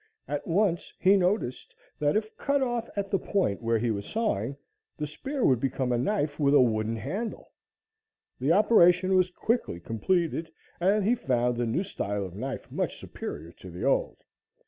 At once he noticed that if cut off at the point where he was sawing, the spear would become a knife with a wooden handle. The operation was quickly completed, and he found the new style of knife much superior to the old.